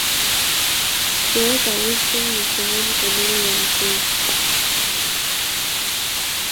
Kuweka lynching ni sehemu kamili ya mchezo.